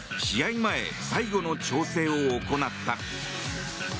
前最後の調整を行った。